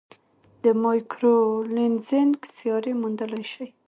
د مایکرو لینزینګ سیارې موندلای شي.